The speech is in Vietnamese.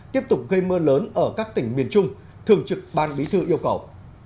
tiếp tục gây mưa lớn ở các tỉnh miền trung thường trực ban bí thư yêu cầu